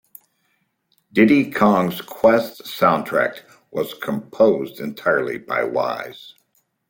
"Diddy's Kong Quest"s soundtrack was composed entirely by Wise.